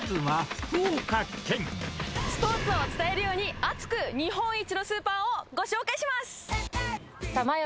スポーツを伝えるように、熱く日本一のスーパーをご紹介します。